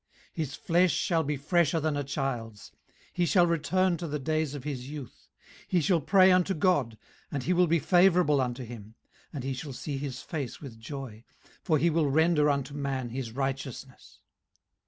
18:033:025 His flesh shall be fresher than a child's: he shall return to the days of his youth: 18:033:026 He shall pray unto God, and he will be favourable unto him: and he shall see his face with joy: for he will render unto man his righteousness.